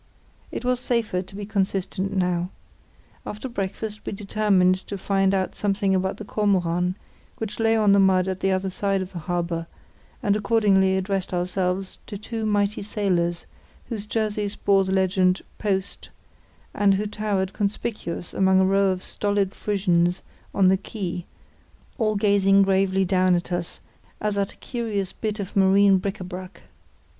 It was safer to be consistent now. After breakfast we determined to find out something about the Kormoran, which lay on the mud at the other side of the harbour, and accordingly addressed ourselves to two mighty sailors, whose jerseys bore the legend "Post", and who towered conspicuous among a row of stolid Frisians on the quay, all gazing gravely down at us as at a curious bit of marine bric à brac.